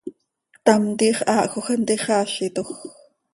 Ctam tiix haahjoj hant ixaazitoj.